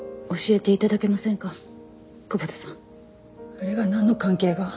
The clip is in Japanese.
あれがなんの関係が？